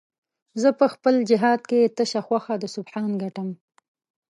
زه په خپل جهاد کې تشه خوښه د سبحان ګټم